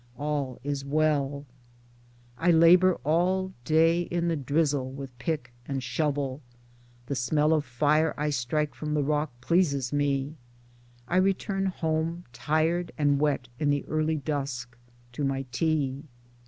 All is well. I labor all day in the drizzle with pick and shovel ; the smell of fire I strike from the rock pleases me ; I return home tired and wet in the early dusk to my tea.